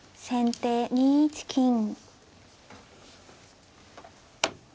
先手２一金。